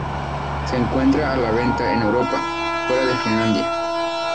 Se encuentra a la venta en Europa, fuera de Finlandia.